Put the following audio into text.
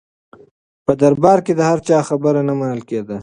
په دربار کې د هر چا خبره نه منل کېده.